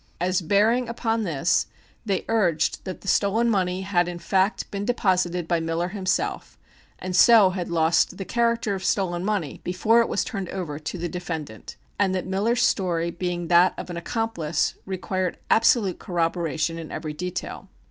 As bearing upon this they urged that the stolen money had in fact been deposited by Miller himself, and so had lost the character of stolen money before it was turned over to the defendant, and that Miller's story being that of an accomplice required absolute corroboration in every detail.